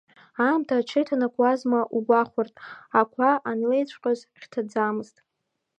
Аамҭа аҽеиҭанакуазма угәахәыртә, ақәа анлеиҵәҟьоз, хьҭаӡамызт.